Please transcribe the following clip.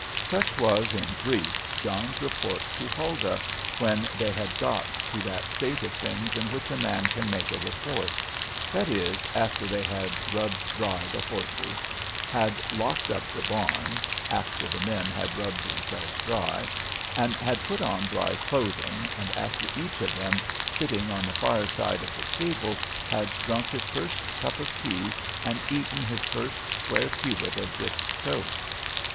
Such was, in brief, John's report to Huldah, when they had got to that state of things in which a man can make a report; that is, after they had rubbed dry the horses, had locked up the barn, after the men had rubbed themselves dry, and had put on dry clothing, and after each of them, sitting on the fire side of the table, had drunk his first cup of tea, and eaten his first square cubit of dipped toast.